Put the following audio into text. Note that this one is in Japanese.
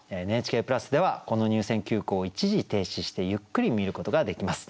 ＮＨＫプラスではこの入選九句を一時停止してゆっくり見ることができます。